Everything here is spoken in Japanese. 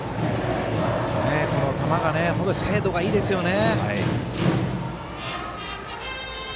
球が精度がいいですよね。